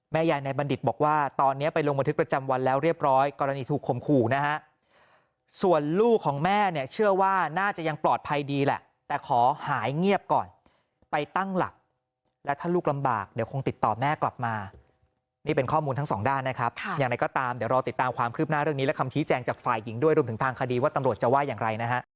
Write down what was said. แม่ยายในบัณฑิตบอกว่าตอนนี้ไปลงบทึกประจำวันแล้วเรียบร้อยกรณีถูกขมขู่นะฮะส่วนลูกของแม่เนี่ยเชื่อว่าน่าจะยังปลอดภัยดีแหละแต่ขอหายเงียบก่อนไปตั้งหลักและถ้าลูกลำบากเดี๋ยวคงติดต่อแม่กลับมานี่เป็นข้อมูลทั้ง๒ด้านนะครับอย่างนั้นก็ตามเดี๋ยวรอติดตามความคืบหน้าเรื่องนี้